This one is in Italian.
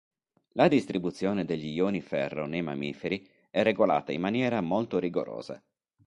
La distribuzione degli ioni ferro nei mammiferi è regolata in maniera molto rigorosa.